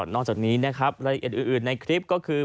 นอกจากนี้นะครับรายละเอียดอื่นในคลิปก็คือ